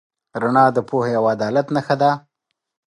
رڼا د پوهې او عدالت نښه ده.